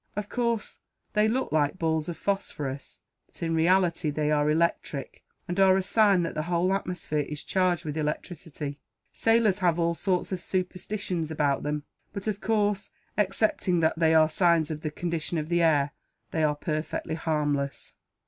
Of course, they look like balls of phosphorus; but in reality they are electric, and are a sign that the whole atmosphere is charged with electricity. Sailors have all sorts of superstitions about them but, of course, excepting that they are signs of the condition of the air, they are perfectly harmless."